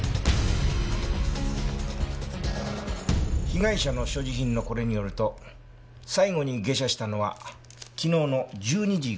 被害者の所持品のこれによると最後に下車したのは昨日の１２時５分。